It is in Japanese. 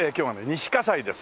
西西です。